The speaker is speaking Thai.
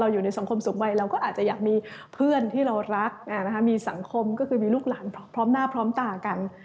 อยู่ในสังคมสูงวัยเราก็อาจจะอยากมีเพื่อนที่เรารักมีสังคมก็คือมีลูกหลานพร้อมหน้าพร้อมตากัน